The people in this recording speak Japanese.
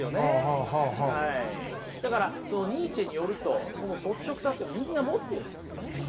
だからニーチェによるとその率直さってみんな持ってるんですよね。